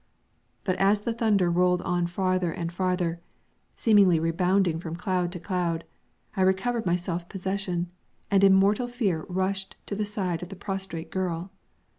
But as the thunder rolled on farther and farther, seemingly rebounding from cloud to cloud, I recovered my self possession, and in mortal fear rushed to the side of the prostrate girl.